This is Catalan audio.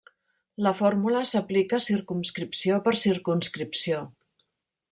La fórmula s'aplica circumscripció per circumscripció.